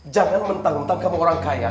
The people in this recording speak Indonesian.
jangan mentang mentang kamu orang kaya